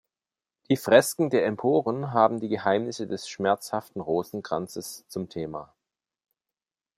Die Fresken der Emporen haben die Geheimnisse des "Schmerzhaften Rosenkranzes" zum Thema.